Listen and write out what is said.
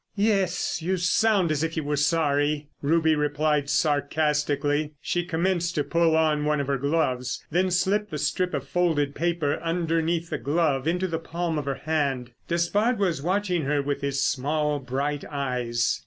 "Yes, you sound as if you were sorry," Ruby replied sarcastically. She commenced to pull on one of her gloves, then slipped the strip of folded paper underneath the glove into the palm of her hand. Despard was watching her with his small, bright eyes.